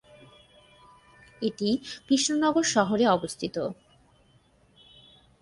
এটি কৃষ্ণনগর শহরে অবস্থিত।